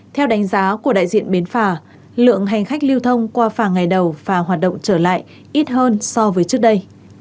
theo đánh giá của đại diện bến phà lượng hành khách lưu thông qua phà ngày đầu và hoạt động trở lại ít hơn so với trước đây